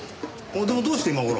でもどうして今頃？